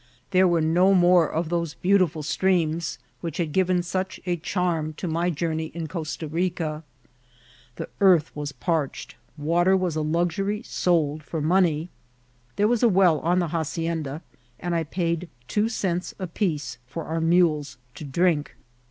There were no more of those beautiful streams which had given such a charm to my journey in Costa Rica. The earth was parched ; water was a luxury sold for money. There was a well on the hacienda, and I paid two cents apiece for our mules to drink.